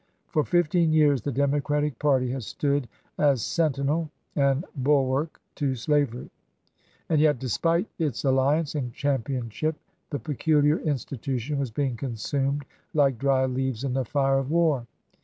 For fifteen years the Democratic party had stood as sentinel and bulwark to slavery ; and yet, despite its alliance and championship, the peculiar institution was being consumed like dry leaves in the fire of war.